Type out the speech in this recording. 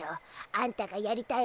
あんたがやりたい